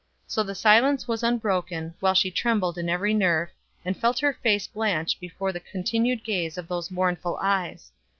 So the silence was unbroken, while she trembled in every nerve, and felt her face blanch before the continued gaze of those mournful eyes.